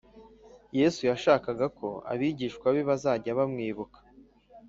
Yesu yashakaga ko abigishwa be bazajya bamwibuka